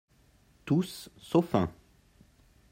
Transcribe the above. Tous, sauf un